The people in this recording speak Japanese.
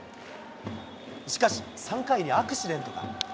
しかし、３回にアクシデントが。